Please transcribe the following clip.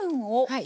はい。